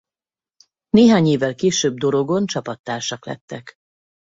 Néhány évvel később Dorogon csapattársak lettek.